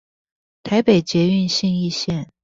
台北捷運信義線